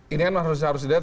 ini kan harus dilihat